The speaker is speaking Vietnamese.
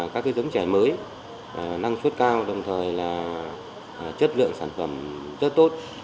các giống trè mới năng suất cao đồng thời chất lượng sản phẩm rất tốt